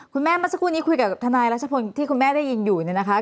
คุณแม่มาสักครู่นี้คุยกับทนายรัชพนธ์ที่คุณแม่ได้ยินอยู่นะคะ